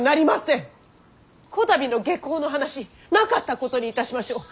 こたびの下向の話なかったことにいたしましょう。